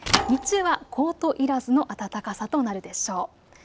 日中はコートいらずの暖かさとなるでしょう。